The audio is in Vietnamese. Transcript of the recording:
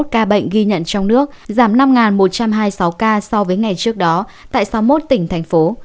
hai mươi ba một trăm tám mươi một ca bệnh ghi nhận trong nước giảm năm một trăm hai mươi sáu ca so với ngày trước đó tại sáu mốt tỉnh thành phố